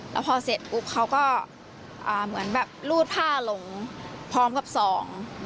แล้วพอเสร็จปุ๊บเขาก็อ่าเหมือนแบบรูดผ้าลงพร้อมกับสอง